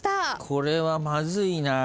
これはまずいな。